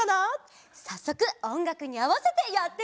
さっそくおんがくにあわせてやってみよう！